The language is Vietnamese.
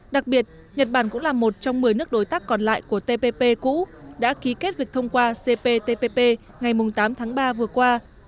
đặc biệt nhật bản cũng là một trong một mươi nước đối tác còn lại của tpp cũ đã ký kết việc thông qua cptpp ngày tám tháng ba vừa qua